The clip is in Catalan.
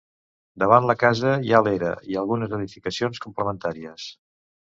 Davant la casa hi ha l'era i algunes edificacions complementàries.